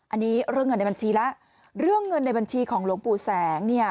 อันนี้เรื่องเงินในบัญชีแล้วเรื่องเงินในบัญชีของหลวงปู่แสงเนี่ย